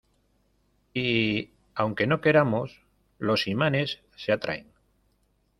y aunque no queramos, los imanes se atraen.